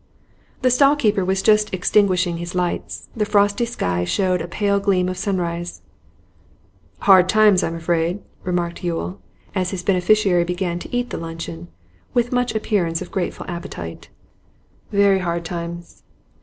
The stall keeper was just extinguishing his lights; the frosty sky showed a pale gleam of sunrise. 'Hard times, I'm afraid,' remarked Yule, as his beneficiary began to eat the luncheon with much appearance of grateful appetite. 'Very hard times.